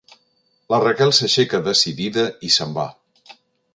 La Raquel s'aixeca decidida i se'n va.